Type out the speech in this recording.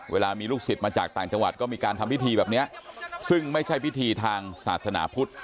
เวลามีลูกศิษย์มาจากต่างจังหวัดก็มีการทำพิธีแบบนี้ซึ่งไม่ใช่พิธีทางศาสนาพุทธ